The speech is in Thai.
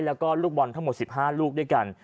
แล้วก็ลูกบอลทั้งหมด๑๕ลูกด้วยกัน